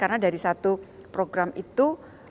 karena dari satu program itu